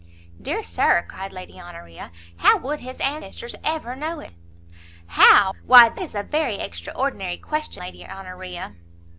"Dear Sir," cried Lady Honoria, "how would his ancestors ever know it?" "How? why that is a very extraordinary question, Lady Honoria!"